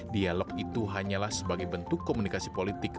dialog itu hanyalah sebagai bentuk komunikasi politik